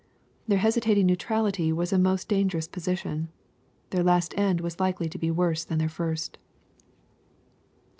Their hesitating neutrality was a most dan gerous position. Their last end was hkely to be worse than their first.